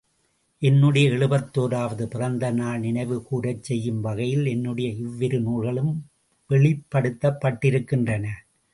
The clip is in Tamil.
என்னுடைய எழுபத்தோராவது பிறந்த நாளை நினைவுகூரச் செய்யும் வகையில், என்னுடைய இவ்விரு நூல்களும் வெளிப்படுத்தப்பட்டிருக்கின்றன!